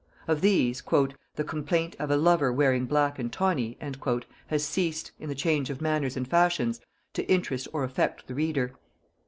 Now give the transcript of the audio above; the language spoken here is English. Of these, "The complaint of a lover wearing black and tawny" has ceased, in the change of manners and fashions, to interest or affect the reader.